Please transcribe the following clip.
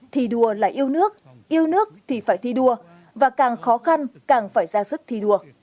thi đua là yêu nước yêu nước thì phải thi đua và càng khó khăn càng phải ra sức thi đua